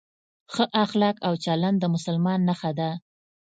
ښه اخلاق او چلند د مسلمان نښه ده.